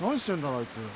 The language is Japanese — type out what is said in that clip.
あいつ。